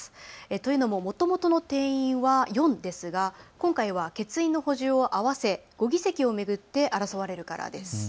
というのも、もともとの定員は４ですが今回は欠員の補充を合わせ５議席を巡って争われるからです。